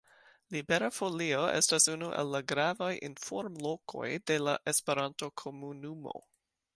Libera Folio estas unu el la gravaj informlokoj de la esperanto-komunumo.